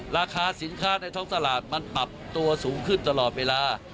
ราคาสินค้าในท้องตลาดมันปรับตัวสูงขึ้นตลอดเวลา